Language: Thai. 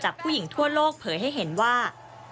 ผู้หญิงทั่วโลกเผยให้เห็นว่า